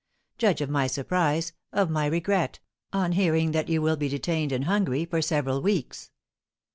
Judge of my surprise of my regret, on hearing that you will be detained in Hungary for several weeks.